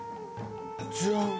じゃん。